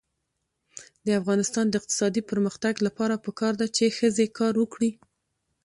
د افغانستان د اقتصادي پرمختګ لپاره پکار ده چې ښځې کار وکړي.